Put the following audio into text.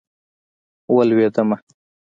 ولوېدمه.